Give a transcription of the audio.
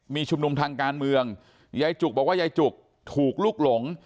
มีชุมนุมทางการเมืองยายจุกบอกว่ายายจุกถูกลุกหลง